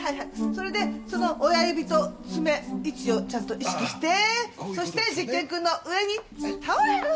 それでその親指と爪位置をちゃんと意識してそして実験くんの上に倒れる。